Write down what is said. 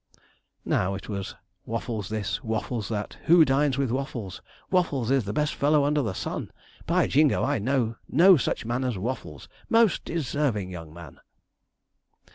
Now it was Waffles this, Waffles that, 'Who dines with Waffles?' 'Waffles is the best fellow under the sun! By Jingo, I know no such man as Waffles!' 'Most deserving young man!'